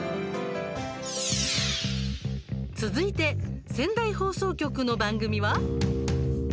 続いて、仙台放送局の番組は。